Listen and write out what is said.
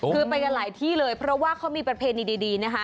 คือไปกันหลายที่เลยเพราะว่าเขามีประเพณีดีนะคะ